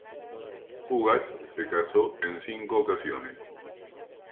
Cugat se casó en cinco ocasiones.